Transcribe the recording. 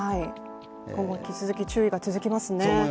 今後引き続き、注意が続きますね。